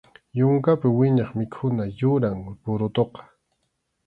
Yunkapi wiñaq mikhuna yuram purutuqa.